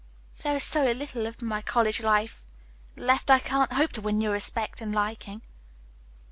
There is so little of my college life left I can't hope to win your respect and liking."